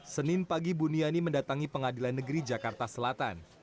senin pagi buniani mendatangi pengadilan negeri jakarta selatan